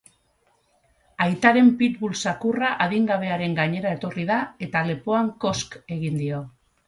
Aitaren pit-bull zakurra adingabearen gainera etorri da, eta lepoan kosk egin dio.